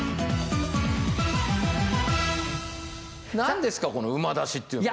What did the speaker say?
何ですかこの馬出しというのは？